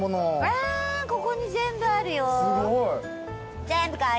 あここに全部あるよ。